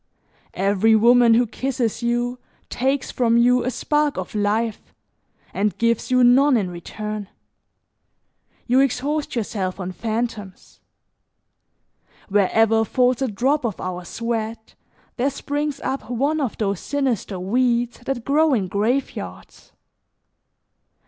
Every woman who kisses you, takes from you a spark of life and gives you none in return; you exhaust yourself on fantoms; wherever falls a drop of our sweat, there springs up one of those sinister weeds that grow in graveyards.